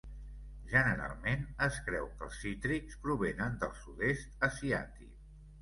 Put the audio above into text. Generalment es creu que els cítrics provenen del Sud-est asiàtic.